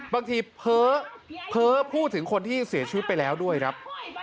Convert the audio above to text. บางทีเพ้อพูดถึงคนที่เสียชีวิตไปแล้วด้วยครับ